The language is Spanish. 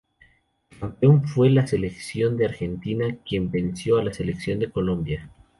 El campeón fue la Selección de Argentina quien venció a la Selección de Colombia.